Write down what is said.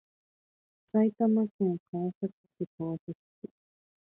埼玉県川崎市川崎区